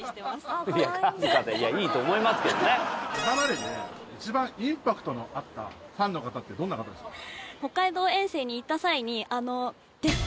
今までで一番インパクトのあったファンの方ってどんな方ですか？